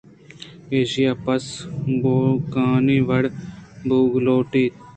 ایشان ءَ پس ءُگوکانی وڑ ءَبوئگ لوٹیت